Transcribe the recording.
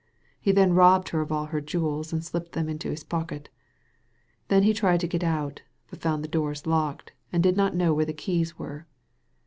He then robbed her of all her jcweb and slipped them into his pocket Then he tried to get out, but found the doors locked, and did not know where the keys were."